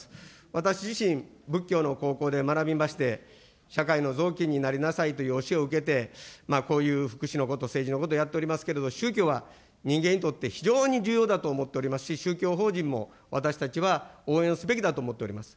私自身、仏教の高校で学びまして、社会のぞうきんになりなさいという教えを受けて、こういう福祉のこと、政治のことをやっておりますけれども、宗教は人間にとって非常に重要だと思っておりますし、宗教法人も私たちは応援すべきだと思っております。